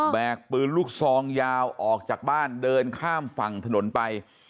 กปืนลูกซองยาวออกจากบ้านเดินข้ามฝั่งถนนไป